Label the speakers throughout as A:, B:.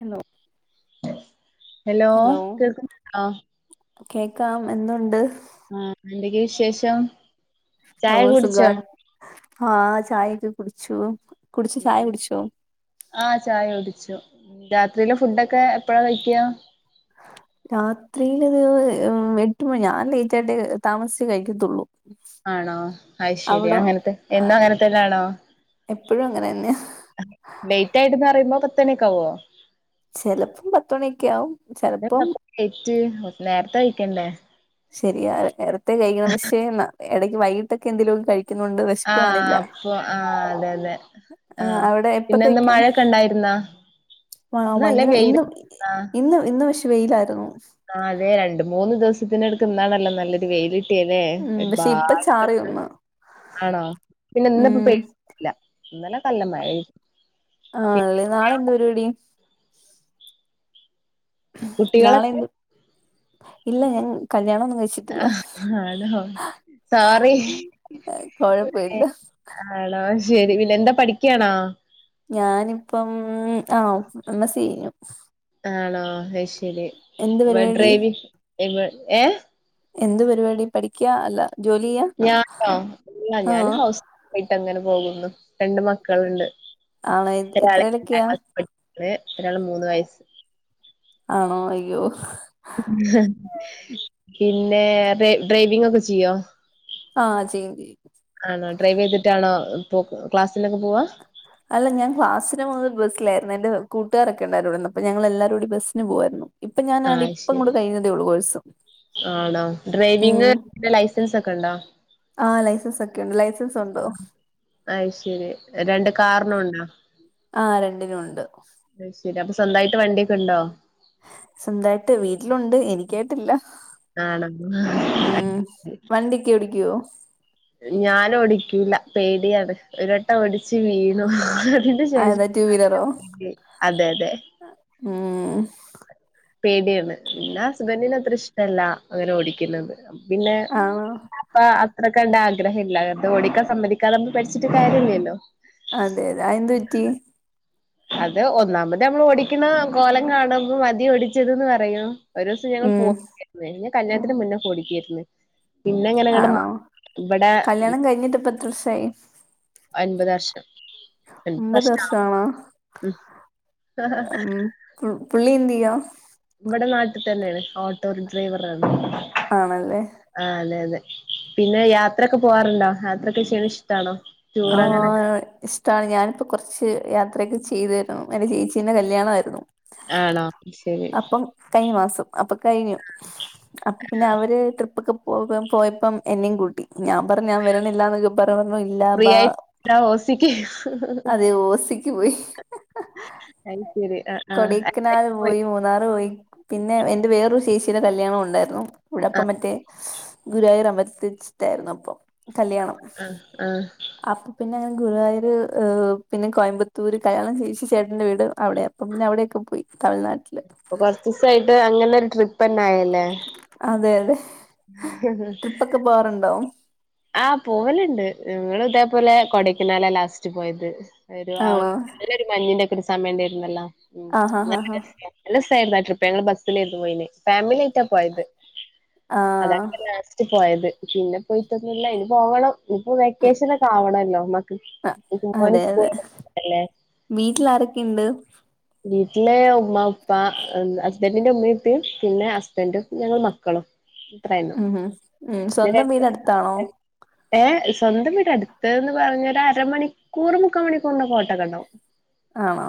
A: Hello
B: hello കേൾക്കുന്നുണ്ടോ
A: കേക്കാം എന്തുണ്ട്
B: ആഹ് എന്തക്ക വിശേഷം
A: ഓ
B: ചായ
A: സുഗാ
B: കുടിച്ചോ
A: ആഹ് ചായക്ക് കുടിച്ചു കുടിച്ചു ചായ കുടിച്ചോ
B: ആഹ് ചായ കുടിച്ചു രാത്രിയിലെ ഫുഡൊക്കെ എപ്പഴാ കഴിക്കുക
A: രാത്രിയിലത് എട്ട് മണി ഞാൻ ലേറ്റായിട്ട് താമസിച്ച് കഴിക്കത്തുള്ളൂ
B: ആണോ അയ് ശരിയ
A: അവിടോ
B: അങ്ങനത്തെ
A: ആ,
B: എന്നും അങ്ങന തന്നെയാണോ
A: എപ്പോഴും അങ്ങനെ തന്നെയാ
B: ലേറ്റ് ആയിട്ടന്ന് പറയുമ്പോ പ ത്തണിയക്ക ആവോ
A: ചിലപ്പം പത്തുമണിയൊക്കെ ആകും ചിലപ്പം
B: തെറ്റ് നേരത്തെ കഴിക്കണ്ടേ
A: ശരിയാ നേരത്തെ കഴിക്കണം പക്ഷെ ഇടക്ക് വൈകിട്ടൊക്കെ എന്തെലുമൊ കഴി കുന്നുണ്ട്
B: ആഹ് അപ്പൊ ആഹ് അതെ അതെ ആഹ് പിന്നെന്ത് മഴയൊക്കെ ഉണ്ടായിരുന്നാ
A: ആഹ്
B: ഇന്ന് നല്ല
A: ഭയങ്കര
B: വെയില്
A: ഇന്ന്
B: ആഹ്
A: ഇന്ന് ഇന്ന് പക്ഷെ വെയിലായിരുന്നു
B: ആഹ് അതെ രണ്ട് മൂന്ന് ദിവസത്തിനടുക്ക് ഇന്നാണല്ലോ നല്ലൊരു വെയിൽ കിട്ടിയ തേ
A: ഉം പക്ഷെ ഇപ്പ
B: ഒരുപാട്
A: ചാറി
B: ഡ്രസ്സ്
A: ഒന്ന്
B: ആണോ പിന്നെപ്പ
A: ഉം
B: ഇല്ല ഇന്നലെ കല്ല മഴ ആയിരുന്നു.
A: ആണല്ലേ നാളെന്തതു പരിപാടി നാളെ
B: കുട്ടികളൊക്കെ
A: എന്ത് ഇല്ല ഞാൻ കല്യാണം ഒന്ന് കഴിച്ചി
B: ആഹ് ആണോ സോറി
A: കൊഴപ്പമില്ല
B: ആണോ ശരി പിന്നെ എന്താ പഠിക്കാണോ
A: ഞാനിപ്പം ആഹ് എമ്മസി കഴിഞ്ഞു
B: ആണോ അയ് ശരി
A: എന്ത്
B: ഇ
A: പരിപാടി
B: ഡ്രൈവി ഏഹ
A: എന്ത് പരിപാടി പഠിക്കുക അല്ല ജോലി ചെയ്യാ
B: ഞാനോ എല്ല ഞാൻ
A: ആഹ്
B: ഹൗസ്ഫ ആയിട്ട് അങ്ങനെ പോകുന്നു രണ്ട് മക്കളുണ്ട്
A: ആണോ എ-
B: ഒരാളെ അഞ്ചാം
A: എത്രയിലൊക്കെയാ
B: ക്ലാസിൽ പഠിക്കണ് ഒരാള് മൂന്ന് വയസ്സ്
A: ആണോ അയ്യോ
B: പിന്നെ ഡ്രൈ ഡ്രൈവിംഗ് ഒക്കെ ചെയ്യോ
A: ആഹ ചെയ്യും ചെയ്യ
B: ആണോ ഡ്രൈവ് ചെയ്തിട്ടാണോ ക്ലാസ്സിിലൊക്കെ പോവാ
A: അല്ല ഞാൻ ക്ലാസിന് പൊന്നെ ബസ്സിലായിരുന്നു എന്റെ കൂട്ടുകാരൊക്കെണ്ടരോടന്ന് അപ്പോ ഞങ്ങൾ എല്ലാരും കൂടി ബസ്സിന് പോവായിരുന്നു ഇപ്പൊ ഞാന
B: ആ
A: ഇപ്പ
B: ശരി
A: ഇങ്ങട്ട് കഴിഞ്ഞതേ ഉള്ളൂ കോഴ്സ്
B: ആണോ ഡ്രൈവിംഗ്ലൈസൻസ് ഒക്കെ ഉണ്ടോ
A: ആഹ ലൈസൻസ് ഒക്കെ ഉണ്ട് ലൈസൻസ് ഉണ്ട്
B: അ ശരി രണ്ട് കാറിനുംണ്ടോ
A: ആ രണ്ടിനും ഉണ്ട്
B: അത് ശരി അപ്പൊ സ്വന്തയിട്ട് വണ്ടിയൊക്കെ ഉണ്ടോ
A: സ്വന്തായിട്ട് വീട്ടിലുണ്ട് എനിക്കായിട്ടില്ല
B: ആണോ
A: ഉം വണ്ടിയക്കെ ഓടിക്കുവോ
B: ഞാൻ ഓടിക്കൂല്ല പേടിയാണ് ഒരട്ടം ഒടിച്ച് വീണു അതിന് ശേഷം
A: അതാ ടു വീലറോ
B: അതെ അതെ
A: ഉം
B: പേടിയാണ് പിന്നെ ഹസ്ബൻറിിന അത്ര ഇഷ്ടല്ല അങ്ങനെ ഓടിക്കുന്നത് പിന്നെ
A: ആണോ
B: അപ്പ അത്ര കണ്ട ആഗ്രഹംല്ല അത് ഓടിക്കാൻ സമ്മതിക്കാത ന പഠിച്ചിട്ട് കാര്യല്ലല്ലോ
A: അതെ അതെ അതെന്ത് പറ്റി
B: അത് ഒന്നാമത് നമ്മൾ ഓടിക്കണ കോലം കാണുമ്പ മതി ഓടിച്ചത്ന്ന് പറയും ഒരു ദിവസം ഞങ്ങൾ
A: ഉം
B: പോരുന്നു ഞ കല്യാണത്തിന് മുന്നേ ക്കെഓടിക്കായിരുന്നു പിന്നെ എങ്ങനെ ങ്ങനെ
A: ആണോ
B: ഇവിടെ
A: കല്യാണം കഴിഞ്ഞിട്ട് ഇപ്പോ ഇത്രസായി.
B: ഒൻപത് വർഷം. അൻപത്
A: ഒമ്പത്
B: വർഷം
A: വർഷ ആണോ?
B: ഉം
A: ഉം.. പു പുള്ളി ന്തെയാ?
B: ഇവടെ നാട്ടിൽ തന്നെയാണ് ഓട്ടോ ഡ്രൈവറാണ്.
A: ആണല്ലേ?
B: ആ അതെ അതെ പിന്നെ യാത്രോക്കെ പോവാറുണ്ടോ യാത്രൊക്കെ ചെയ്യണ ഇഷ്ടണോ?
A: ആ ഇസ്ട്ടാണ് ഞാനിപ്പോ കുറച്ച് യാത്രയൊക്കെ ചെയ്തേരുന്നു. ഒരു ചേച്ചിന്റെ കല്യാണയിരുന്നു.
B: ആണോ ശരി
A: അപ്പം കഴിഞ്ഞ മാസം അപ്പൊ കയ്ഞ്ഞു. അപ്പൊ പിന്നെ അവര് ട്രിപ്പൊക്കെ. പോകും പോയപ്പം എന്നെയും കൂട്ടി ഞാൻ പറഞ്ഞു ഞാൻ വരണില്ല എന്നൊക്കെ പറ പറഞ്ഞു ഇല്ലാന്ന്.
B: ഏയ്‌ ഞാൻ ഓസിക്ക്.
A: ഇ പോയി
B: അയി ശെരി.
A: കൊടക്കനാല് പോയി മൂന്നാർ പോയി പിന്നെ എന്റെ വേറൊരു ചേച്ചിടെ കല്യാണം ഉണ്ടായിരുന്നു.
B: ആ
A: ഇവിടപ്പം മറ്റേ ഗുരുവായൂർ അമ്പലത്തി വച്ചിട്ടായിരുന്നു അപ്പൊ കല്യാണം.
B: ആഹ ആഹ!
A: അപ്പൊ പിന്നെ ഞാൻ ഗുരുവായൂർ പിന്നെ കോയമ്പത്തൂര് കല്യാണം കഴിച്ച ചേട്ടന്റെ വീട് അവിടെയാ. പിന്ന അവിടെയക്കെ പോയി തമിഴ്നാട്ടിൽ.
B: അപ്പൊ കൊറച്ച് ദിവസമായിട്ട് അങ്ങനെ ഒരു ട്രിപ്പ് തന്നെ ആയല്ലേ?
A: അതെ അതെ.
B: ഹ് ഹ്.
A: ട്രിപ്പ് പോവാറുണ്ടോ
B: ആഹ പോവലുണ്ട് ഞങ്ങള് ഇതേപോലെ കൊടക്കനാല ലാസ്റ്റ് പോയത്. ഒരു ആഹ
A: ആണോ
B: നല്ലരു മഞ്ഞിന്റെറെ ഒക്കെ ഒരു സമയം ഉണ്ടായിരുന്നല്ലോ ഉ
A: ആഹ് ഹാ ഹാ
B: നല്ല
A: ഹാ
B: ര നല്ല സായിരുന്നു ആ ട്രിപ്പ് ഞങ്ങള് ബസ്സിലെരുന്നു പോയിന് ഫാമിലി ആയിട്ടാ പോയത്.
A: ആഹ്
B: അതാണ്പ്പോ ലാസ്റ്റ് പോയത് പിന്നെ പോയിട്ടൊന്നില്ല ഇന് പോകണം. ഇപ്പൊ
A: ഉം
B: വെക്കേഷനൊക്കെ ആവണല്ലോ
A: അ-
B: മക്കക്ക് പൂ
A: അതെ
B: മോന്
A: അതെ
B: സ്കൂളല്ലേ.
A: വീട്ടിൽ ആരൊക്കെണ്ട്?
B: വീട്ടില് ഉമ്മ ഉപ്പ എന്താ ഹസ്ബൻഡ്ന്റെ ഉമ്മേം ഉപ്പേം പിന്നെ ഹസ്ബൻഡും ഞങ്ങൾ മക്കളും. അത്രേയുള്ളൂ
A: ഉം ഉം
B: പിന്നെ
A: സ്വന്തം വീട് അടുത്തതണോ?
B: രണ്ട് ഏ സ്വന്തം വീട് അടുത്ത്ന്ന് പറഞ്ഞൊ ഒരു അരമണിക്കൂർ മുക്ക മണിക്കൂറിന്റെ ഓട്ടക്കെണ്ടാാവും.
A: ആണോ.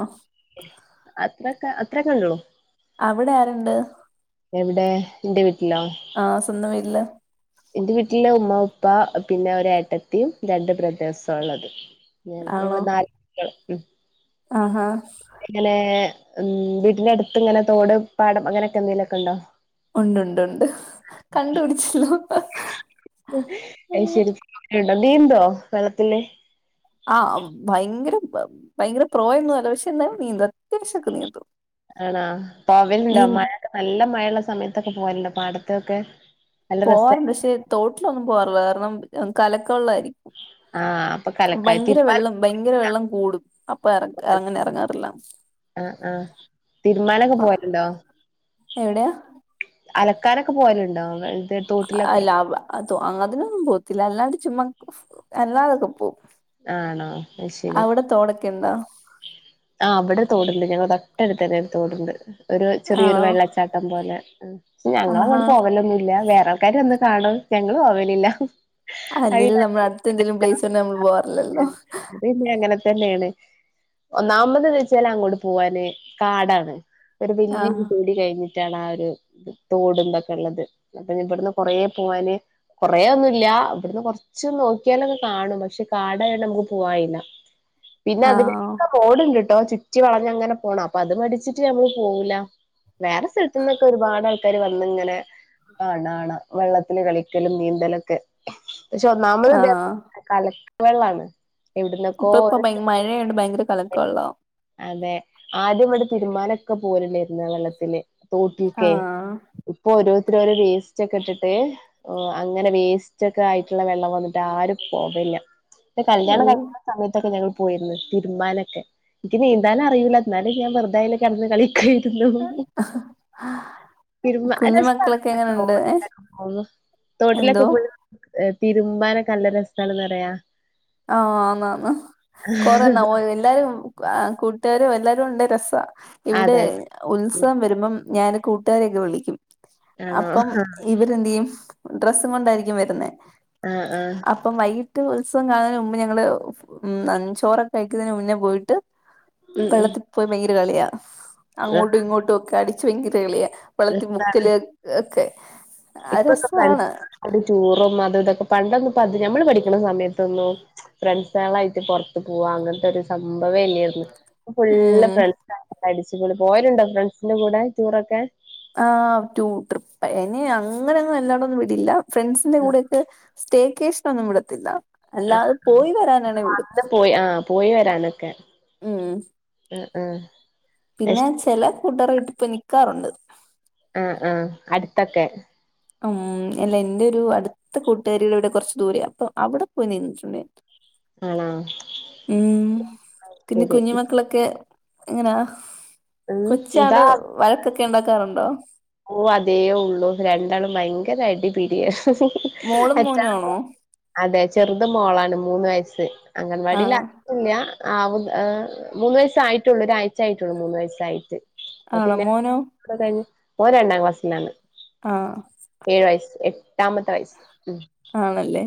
B: അത്രക്കെ അത്രകൊള്ളു.
A: അവിടെ ആരുണ്ട്?
B: എവിടെ എന്റെ വീട്ടിലോ?
A: ആഹ സ്വന്തം വീട്ടില്?
B: എന്റെ വീട്ടില് ഉമ്മ ഉപ്പ പിന്നെ ഒരു ഏട്ടത്തിയും രണ്ട് ബ്രദർഴ്സും ആ ഉള്ളത്. ഞ ഞങ്ങള് നാല് മക്കള്.
A: ആഹ ആഹാ!
B: എങ്ങനെ ഉം വീട്ടിന്റെ അടുത്ത് ഇങ്ങനെ തോട് പാടം അങ്ങനെയൊക്കെ എന്തെങ്കിലൊക്കെ ഉണ്ടോ?
A: ഉണ്ട് ഉണ്ട് ഉണ്ട് കണ്ടു പിടിച്ചല്ലോ.
B: ആ ശെരിക്കുംണ്ടോ നീന്തോ വെള്ളത്തില്
A: ആഹ ഭയങ്കര ഭയങ്കര പ്രൊയൊന്നുമല്ല പക്ഷെ ന്നാലും നിന്തും ഇത്തിരിശൊക്കെ നീന്തും.
B: ആണാ
A: നീ
B: പോവലുണ്ടോ മഴയൊക്കെ നല്ല മഴയള്ള സമയത്തൊക്കെ പോവലുണ്ടോ പാടത്തൊക്കെ അടുത്തൊക്കെ.
A: പോവാറുണ്ട് പക്ഷെ തോട്ടിലൊന്നും പോവാറില്ല കാരണം കലക്ക വെള്ളായിരിക്കും.
B: ആഹ് അപ്പൊ കല
A: ഭയങ്കര വെള്ളം ഭയങ്കര വെള്ളം കൂടും അപ്പൊ ഇറ അങ്ങനെ ഇറങ്ങാറില്ല.
B: ആഹ ആഹ തിരുമാനൊക്കെ പോവലുണ്ടോ.
A: എവിടെയാ.
B: അലക്കാനൊക്കെ പോവലുണ്ടോ എന്തേലും
A: അല്ല അത അതിനൊന്നും പോവത്തില്ല അല്ലാതെ ചുമാ അല്ലാതൊക്കെ പോകും.
B: ആണോ
A: അവിടെ തോടക്കെയ്ണ്ടോ.
B: ആ് ഇവടെ തോടണ്ട് ഞങ്ങതൊട്ടടുത്ത് തന്നെ തോടണ്ട്. ഒരു ചെറിയൊരു
A: ആണോ
B: വെള്ളച്ചാട്ടം പോലെ
A: ആഹാ
B: ഞങ്ങളങ്ങോട്ട് പോകലൊന്നുല്ല വേറെ. ആൾക്കാര് വന്ന് കാണും ഞങ്ങള് പോവലില്ല. അത്
A: അലേലും നമ്മള അടുത്തെന്തേലും പ്ലേസ്ണ്ടെ നമ്മള് പോവറില്ലല്ലോ.
B: അത് പിന്നെ അങ്ങനെ തന്നെയാണ്. ഒന്നാമത് വെച്ചാല് അങ്ങോട്ട് പോവാന് കാടാണ് ഒരു വലിയൊര്
A: ആഹ്
B: തൊടികഴിഞ്ഞിട്ട്. റ്റാണ ആഹ ഒരു തോടും ഇതൊക്കെയിള്ളത് അപ്പൊ ഇവിടുന്ന് കൊറേ പോവാന്. കൊറെയൊന്നുല്യ ഇവിടന്ന് കൊറച്ച് നോക്കിയാലൊക്കെ കാണും പക്ഷെ കാടയൊണ്ട് നമുക്ക് പോവായില്ല.
A: [unintelligible]
B: പിന്നെ അതിലേക്ക് റോണ്ടിണ്ട്ട്ടോ ചുറ്റി വളഞ്ഞ അങ്ങനെ പോണം അപ്പൊ അത് മടിച്ചിട്ട് ഞമ്മള് പോവൂല. വേറെ സ്ഥലത്ത്ന്നൊക്കെ ഒരുപാട് ആ. ട്ടാര് വന്നിങ്ങനെ കാണാണ് വെള്ളത്തില് കളിക്കലും നീന്തലൊക്കെ. പക്ഷെ ഒന്നാമത്ദേ
A: ആഹ്
B: കലക്ക് വെള്ളാണ്. എവിടുന്നൊക്കോ
A: ഇപ്പ ഇപ്പ
B: ഓരോരുത്തര്
A: മഴയൊണ്ട് ഭയങ്കര കലക്കവെള്ളോ.
B: അതെ ആദ്യം ഇവിടെ തീരുമാനമൊക്കെ പോവലണ്ടായിരുന്നു വെള്ളത്തില് തോട്ടിക്കെ.
A: ആഹ്
B: ഇപ്പൊ ഓരോരുത്തര് ഓരോ വേസ്റ്റക്കെ ഇട്ടിട്ട് ഓഹ് അങ്ങനെ വേസ്റ്റ് ഒക്കെ ആയിട്ടുള്ള വെള്ളം വന്ന്ട്ട് ആരും പോവല്ല. ഇന്റെ
A: ഓ
B: കല്യാണം കഴിക്ക്ണ സമയത്തൊക്കെ ഞങ്ങൾ പോയിരുന്ന്. തിര്മ്പാനൊക്കെ ഇക്കി നീന്താനറിയൂല ന്നാലും ഞാൻ വെറുതെ അയില് കെടന്ന് കളി കിര്ന്നോ? ഇര്ന്ന
A: കുഞ്ഞു മക്കളൊക്കെ എങ്ങനുണ്ട് എന്തോ
B: [unintelligible] ഏഹ് തിരുമ്പാനക്കെ നല്ല രസാണന്നറിയാ.
A: ആഹ് ആന്നന്ന് കൊറെ ന [unintelligible] എല്ലാരും ആഹ് കൂട്ടാരു എല്ലാരും ഉണ്ടെ രസ ഇവടെ
B: അതെ അതെ ഉം
A: ഉത്സവം വരുമ്പം ഞാൻ കൂട്ടാരെക്കെ വിളിക്കും
B: ആണോ
A: അപ്പം ഇവരെന്തയ്യും ഡ്രസ്സും കൊണ്ടായിരിക്കും വരുന്നെ.
B: ആഹ് ആഹ്
A: ഇപ്പം വൈകിട്ട് ഉത്സവം കാണുന്നേന് മുമ്പ് ഞങ്ങള് ഉം ന്ന ചോറൊക്കെ കഴിക്കുന്നേന് മുന്നേ പോയിട്ട്
B: ഉം ഉം
A: വെള്ളത്തി പോയി ഭയങ്കര കളിയാ
B: ആഹ്
A: അങ്ങോട്ടും ഇങ്ങോട്ടും ഒക്കെ അടിച്ച് ഭയങ്കര കളിയാ. വെളത്തി
B: രസാ
A: മുക്കല് ഹ് ഒക്കെ.
B: ഇപ്പൊക്കെ
A: രസാണ്
B: [unintelligible] ചോറൊന്നും അത് ഇതാക്ക പണ്ടൊന്ന് ഇപ്പ അത് ഞമ്മള് പഠിക്ക്ണ സമയത്തൊന്നു ഫ്രണ്ട്സളായിട്ട് പൊർത്ത് പോവാ അങ്ങൻത്തെ ഒരു സംഭവം ഇല്ലേ ന്ന് പ്പൊ ഫുള്ള്
A: ഉം
B: ഫ്രണ്ട്‌സെള് അടിച്ച്പൊളി പോവലുണ്ടോ ഫ്രണ്ട്സിന്റെ കൂടെ ടൂറൊക്കെ?
A: ആഹ് ട്ടൂ ട്രിപ്പ് എന്നെ അങ്ങനെന്നും എല്ലാണ്ടൊന്നും വിടില്ല ഫ്രണ്ട്സിന്റെ കൂടെക്കെ സ്‌റ്റേക്കഷ്നൊന്നും വിടത്തില്ല.
B: ആഹ്
A: അല്ലാതെ പോയി വരാനാണെ വിടും
B: അന്ന് പോയി ആഹ് പോയി
A: ഉം.
B: ഉം ഉം
A: പിന്നെ ചെല കൂട്ടാറെ വീട്ടിപ്പോയി നിക്കാറുണ്ട്.
B: ആഹ് ആഹ് അട്ത്തക്കെ?
A: ഉം എല്ല എന്റെ ഒരു അടുത്ത കൂട്ടുകാരിയുടെ ഇവടെ കൊർച്ച് ദൂരയാ അപ്പൊ അവടെ പോയി നിന്നിട്ടുണ്ട് ഞാൻ.
B: ആണാ?
A: ഉം പിന്നെ കുഞ്ഞി മക്കളൊക്കെ എങ്ങനാ?
B: ഉം
A: കൊച്ചാള്
B: ഇതാ
A: വഴക്കൊക്കെ ഇണ്ടാക്കാറുണ്ടോ?
B: ഓഹ് അതേ ഉള്ളു രണ്ടാളും ഭയങ്കര അടി പിടിയ
A: മോളും മോനും
B: [unintelligible]
A: ആണോ
B: അതെ ചെർത് മോളാണ് മൂന്ന് വയസ്സ് അംഗൻവാടില്ലാ.
A: ആഹ്
B: ഇല്ല ആഹ് മു ഏഹ് മൂന്ന് വയസ്സ് ആയിട്ടുള്ളു ഒരാഴ്ച ആയിട്ടുള്ളു മൂന്ന് വയസ്സായിട്ട്. അപ്പ
A: ആണോ
B: പിന്നെ [unintelligible]
A: മോനോ
B: കഴിഞ്ഞ് ഓൻ രണ്ടാം ക്ലാസ്സിലാണ്.
A: ആഹ്
B: ഏഴ് വയസ്സ് എട്ടാമത്തെ വയസ്സ് ഉം
A: ആണല്ലേ?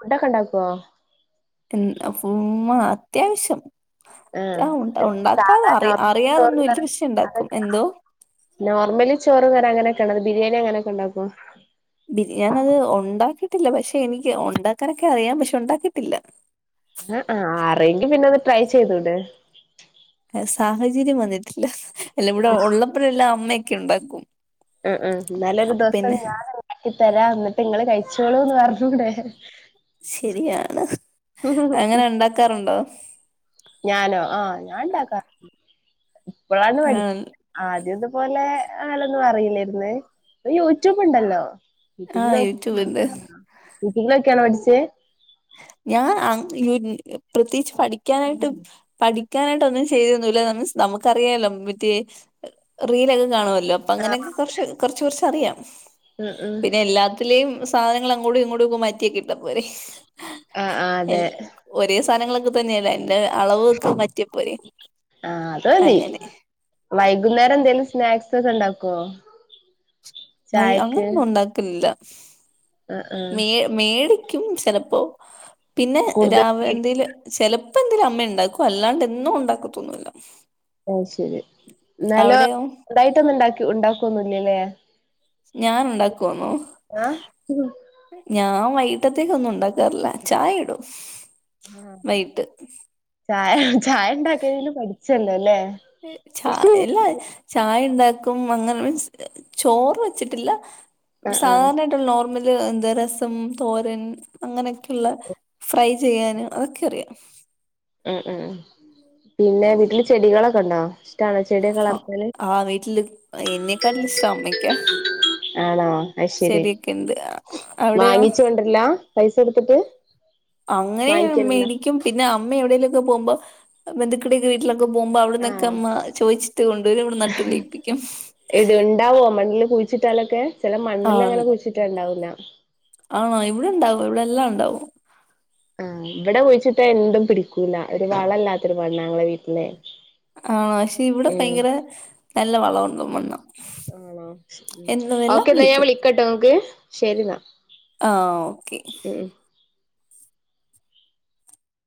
B: ഫുഡക്കെ ഇണ്ടാക്കോ?
A: എൻ ഫുമ്മാ അത്യാവശ്യം ആഹ് ഉണ്ട ഉണ്ടാക്കാതെ
B: സാധാ
A: അറി
B: നോർമൽ ചോറും
A: അറിയാതൊന്നും ഇല്യ പക്ഷേ ഇണ്ടാക്കും. എന്തോ?
B: നോർമല് ചോറ് കറിം അങ്ങനക്കെല്ലാതെ ബിരിയാണി അങ്ങനക്കെ ഇണ്ടാക്കോ?
A: ബിരിയാണി അത് ഉണ്ടാക്കിട്ടില്ല പക്ഷെ എനിക്ക് ഉണ്ടാക്കാനൊക്കെ അറിയാം പക്ഷെ ഉണ്ടാക്കിട്ടില്ല.
B: അഹ് ആഹ് അറിയെങ്കി പിന്നെത് ട്രൈ ചെയ്തുടേ?
A: ഏഹ് സാഹചര്യം വന്നിട്ടില്ല അല്ല ഇവടെ ഉള്ളപ്പഴ എല്ലാം അമ്മയൊക്കെ ഇണ്ടാക്കും.
B: ഉം ഉം ഇന്നലെരു ദിവസം ഞാൻ ഇണ്ടാക്കി തരാം ന്നട്ട് ഇങ്ങള് കഴിച്ചോളൂന്ന് പറഞ്ഞുടേ?
A: ശരിയാണ് അങ്ങനെ ഉണ്ടാക്കാറുണ്ടോ?
B: ഞാനോ ആഹ് ഞാൻ ഇണ്ടാക്കാ ഇപ്പളാണ്
A: ആ
B: പടി ആദ്യതുപോലെ അങ്ങനൊന്നും അറിയില്ലേര്ന്ന് ഇപ്പൊ യൂട്യൂബ്ണ്ടല്ലോ?
A: ആ
B: യൂട്യൂബില്
A: യൂട്യൂബില്
B: യൂട്യൂബ് ലോകിയാണോ പഠിച്ചേ?
A: ഞാൻ അങ്ങ പ്രത്യേകിച്ച് പഠിക്കാനായിട്ട് പഠിക്കാനായിട്ടൊന്നും ചെയ്തൊന്നൂല്ല മീൻസ് നമുക്കറിയാലോ മറ്റേ റീലൊക്കെ കാണുവല്ലോ അപ്പൊ
B: ആഹ്
A: അങ്ങനെയൊക്കെ കുറച്ച് കുറച്ച കുറച്ചറിയാം
B: ഉം ഉം
A: പിന്നെയെല്ലാ ത്തിലേയും സാധനങ്ങൾ അങ്ങോടിങ്ങോട്ടുവങ്ങ് മാറ്റിയക്കെയിട്ടാ പോരെ
B: ആഹ് ആഹ് അതെ
A: എല്ലാ ഒരേ സാധനങ്ങളൊക്കെ തന്നെയല്ലേ അയിന്റെ അളവൊക്കെ മാറ്റിയപ്പോരെ അങ്ങനെ
B: വൈകുന്നേരന്തേലും സ്നാക്സൊക്കെണ്ടാക്കോ?
A: വൈ അങ്ങനൊന്നുണ്ടാക്കലില്ല
B: ആഹ് ആഹ്
A: മേ മേടിക്കും ചെലപ്പോ പിന്നെ
B: കൂടുതൽ
A: രാവിലെന്തേലും ചെലപ്പന്തേലും അമ്മയിണ്ടാക്കും അല്ലാണ്ടെന്നും ഉണ്ടാക്കതൊന്നൂല്ല
B: ഓ ശെരി ഇന്നാലോ സ്വന്തായിട്ടൊന്നും ഇണ്ടാക്കി ഉണ്ടാക്കൊന്നുല്ലല്ലേ?
A: ഞാനുണ്ടാക്കുവോന്നോ?
B: ആഹ്
A: ഞാൻ വൈകിട്ടത്തേക്കൊന്നും ഉണ്ടാക്കാറില്ല ചായയിടും
B: ആഹ് ചായ ചായണ്ടാകലേലും പഠിച്ചല്ലോല്ലേ?
A: എല്ലാ ചായണ്ടാക്കും അങ്ങനെ മീൻസ് ചോറ് വെച്ചിട്ടില്ല
B: ആഹ്
A: സാധാരണ ട്ട്ള്ള നോർമല് രസം, തോരൻ, അങ്ങനക്കെയ്ള്ള ഫ്രൈ ചെയ്യാന് അതെക്കറിയാ
B: ഉം ഉം പിന്നെ വീട്ടില് ചെടികളൊക്കെണ്ടോ? ഇശ്ടാണോ ചെടിയൊക്കെ വളർത്താന്?
A: ആഹ് വീട്ടില് എന്നെക്കാട്ടിലിഷ്ടം അമ്മയ്ക്കാ
B: ആണോ? അയ് ശരി
A: ശരിയൊക്കെ ഉണ്ട് അവിടെയോ
B: വാങ്ങിച്ച് കൊണ്ട്രല്ല പൈസ കൊടുത്ത്ട്ട്
A: അങ്ങനെയും മേടിക്കും പിന്നെ അമ്മ എവിടേലൊക്കെ പോവുമ്പോ ബന്ധുക്കൾടെയെക്കെ വീട്ടിലെ പോകുമ്പോ
B: ആഹ്
A: അവിടന്നൊക്കമ്മ ചോദിച്ചിട്ട് കൊണ്ടു വരും ഇവിടെ നട്ട് പിടിപ്പിക്കും
B: ഇത്ണ്ടാവോ മണ്ണില് കുഴിച്ചിട്ടാലൊക്കെ? ചെല
A: ആ
B: മണ്ണിലങ്ങനെ കുഴിച്ചിട്ടാണ്ടാവൂല്ല
A: ആണോ ഇവിടെണ്ടാവും ഇവിടെല്ലാണ്ടാവും
B: ആഹ് ഇവടെ കുഴിച്ചിട്ടായെന്തും പിടിക്കൂല്ല ഒരു വളല്ലാത്തൊരുമണ്ണാ ഞങ്ങളെ വീട്ടിലെ
A: ആണോ പക്ഷെ ഇവിടെ
B: ഉം
A: ഭയങ്കര നല്ല വളവുള്ള മണ്ണാ എന്ന് എല്ലാം കിളിക്കും
B: വെക്കാട്ടോ നമക്ക് ശെരിന്നാ
A: ആഹ് ഓക്കെ